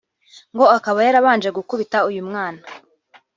ngo akaba yarabanje gukubita uyu mwana